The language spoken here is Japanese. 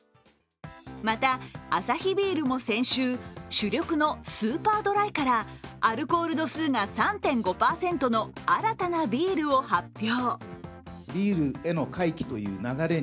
また、アサヒビールも先週主力のスーパードライからアルコール度数が３．５％の新たなビールを発表。